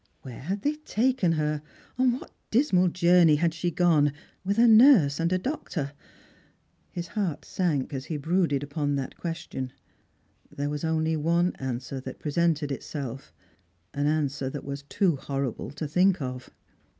Where had they taken hoi — on what dismal journey had she gone — with a nurse and & doctor? His heart sank as he brooded upon that question. 350 Strangers and Pilgrims. There was only one answer that presented itself — an answer that was horrible to think of.